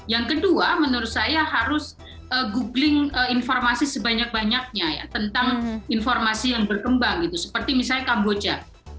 yang kedua menurut saya harus googling informasi sebanyak banyaknya ya tentang informasi yang berkembang gitu seperti misalnya kamboja